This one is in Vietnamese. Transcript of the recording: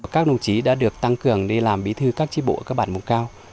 các đồng chí đã được tăng cường đi làm bí thư các tri bộ ở các bản mục cao